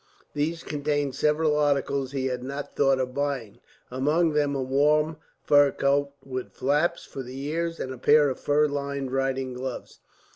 These contained several articles he had not thought of buying, among them a warm fur cap with flaps for the ears, and a pair of fur lined riding gloves.